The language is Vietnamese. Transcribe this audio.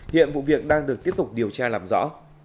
hiện vụ việc đang được tiếp tục điều tra làm rõ